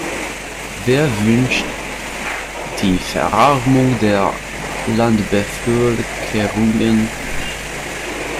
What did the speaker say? Wer wünscht die Verarmung der Landbevölkerungen?